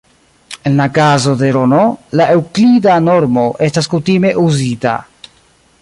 En la kazo de Rn, la Eŭklida normo estas kutime uzita.